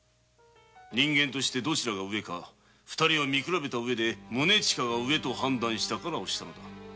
人間としてどちらが上か二人を見比べた上で宗親が上と判断したから推したのだ。